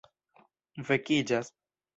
vekiĝas